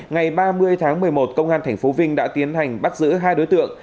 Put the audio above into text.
ngày ba mươi tháng một mươi một công an tp vinh đã tiến hành bắt giữ hai đối tượng